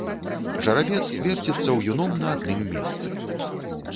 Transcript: Жарабец верціцца ўюном на адным месцы.